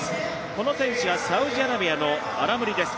この選手はサウジアラビアのアラムリです。